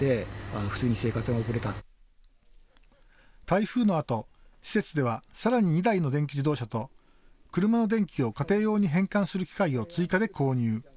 台風のあと施設ではさらに２台の電気自動車と車の電気を家庭用に変換する機械を追加で購入。